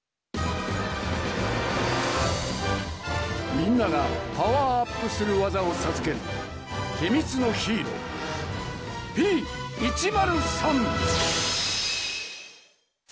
みんながパワーアップするわざをさずけるひみつのヒーローＰ１０３。